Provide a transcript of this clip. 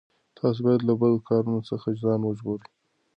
تاسو باید له بدو کارونو څخه ځان وژغورئ.